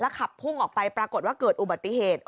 ขับพุ่งออกไปปรากฏว่าเกิดอุบัติเหตุ